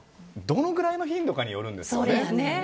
どのぐらいの頻度かによるんですよね。